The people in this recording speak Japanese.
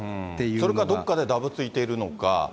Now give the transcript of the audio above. それかどっかでだぶついているのか。